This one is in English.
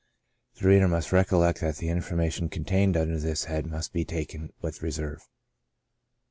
The reader must recollect that the information contained under this head must be taken w^ith reserve.